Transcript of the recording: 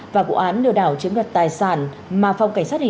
và vụ án lừa đảo chiếm đoạt tài sản mà phòng cảnh sát hình